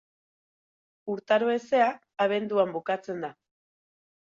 Urtaro hezea abenduan bukatzen da.